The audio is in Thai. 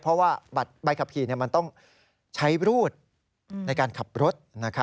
เพราะว่าใบขับขี่มันต้องใช้รูดในการขับรถ